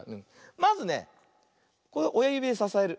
まずねおやゆびでささえる。